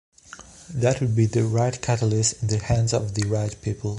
That would be the right catalyst in the hands of the right people.